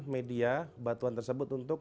media batuan tersebut untuk